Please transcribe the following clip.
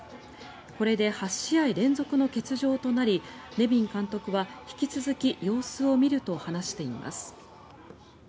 これで８試合連続の欠場となりネビン監督は引き続き様子を見ると話しています。